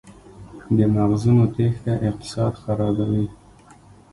د مغزونو تیښته اقتصاد خرابوي؟